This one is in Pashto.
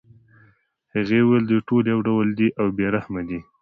هغې ویل دوی ټول یو ډول دي او بې رحمه دي